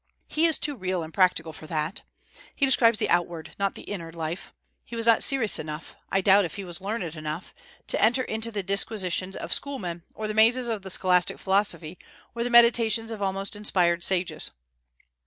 He is too real and practical for that. He describes the outward, not the inner life. He was not serious enough I doubt if he was learned enough to enter into the disquisitions of schoolmen, or the mazes of the scholastic philosophy, or the meditations of almost inspired sages.